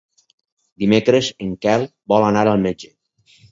Dimecres en Quel vol anar al metge.